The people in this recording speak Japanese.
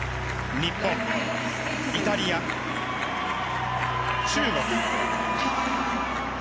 日本、イタリア、中国。